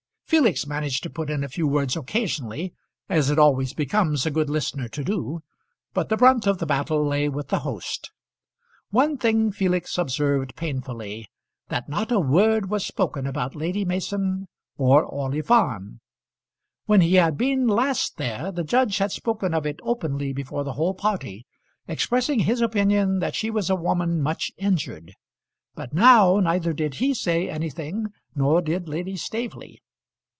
Felix managed to put in a few words occasionally, as it always becomes a good listener to do, but the brunt of the battle lay with the host. One thing Felix observed painfully, that not a word was spoken about Lady Mason or Orley Farm. When he had been last there the judge had spoken of it openly before the whole party, expressing his opinion that she was a woman much injured; but now neither did he say anything nor did Lady Staveley.